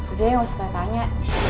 udah ya mau saya tanya